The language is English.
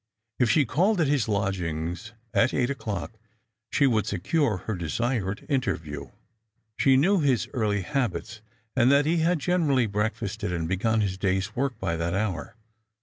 If she called at his lodgings at eight o'clock, she would secure her desired interview ; she knew his early habits, and that he had generally breakfasted and begun his day's work by that hour.